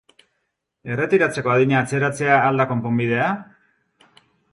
Erretiratzeko adina atzeratzea al da konponbidea?